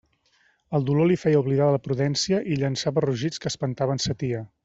El dolor li feia oblidar la prudència, i llançava rugits que espantaven sa tia.